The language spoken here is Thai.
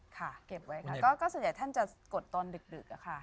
เก็บไว้ค่ะก็ส่วนใหญ่ท่านจะกดตอนดึกอะค่ะ